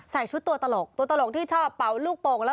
ชุดตัวตลกตัวตลกที่ชอบเป่าลูกโป่งแล้ว